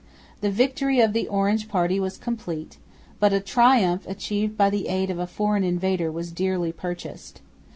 The victory of the Orange party was complete; but a triumph achieved by the aid of a foreign invader was dearly purchased.